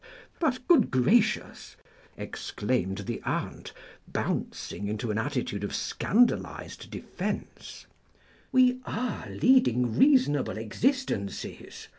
"But good gracious," exclaimed the aunt, bouncing into an attitude of scandalised defence, "we are leading reasonable existences!